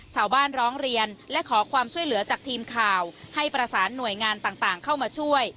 ร้องเรียนและขอความช่วยเหลือจากทีมข่าวให้ประสานหน่วยงานต่างเข้ามาช่วย